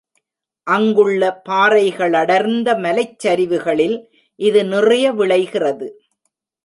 அங்குள்ள பாறைகளடர்ந்த மலைச்சரிவுகளில் இது நிறைய விளைகிறது.